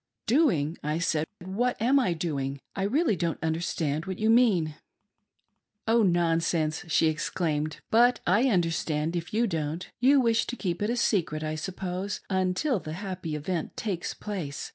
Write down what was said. "Doing!" I said, "What am I doing? I really don't understand what you mean." " Oh nonsense !" she exclaimed, " But / understand, if you don't. You wish to keep it a secret, I suppose, until the happy event takes place.